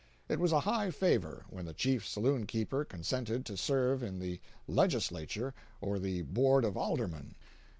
It was a high favor when the chief saloon keeper consented to serve in the legislature or the board of aldermen.